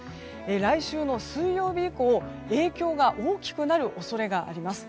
来週の水曜日以降影響が大きくなる恐れがあります。